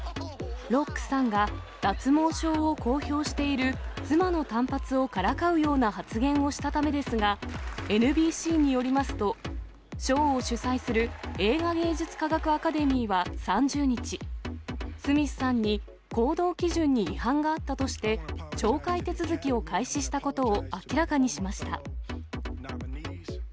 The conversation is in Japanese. ロックさんが、脱毛症を公表している妻の短髪をからかうような発言をしたためですが、ＮＢＣによりますと、賞を主催する映画芸術科学アカデミーは３０日、スミスさんに行動基準に違反があったとして、懲戒手続きを開始したことを明らかにしました。